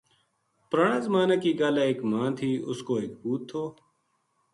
پرانا زمانا کی گل ہے ایک ماں تھی اُس کو ایک پوُت تھو